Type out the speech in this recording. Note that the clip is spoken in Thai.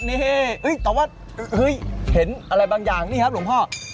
นี่แต่ว่าเฮ้ยเห็นอะไรบางอย่างนี่ครับหลวงพ่อ